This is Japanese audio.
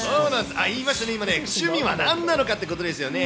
あっ、言いましたね、趣味はなんなのかっていうことですよね。